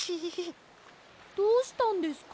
どうしたんですか？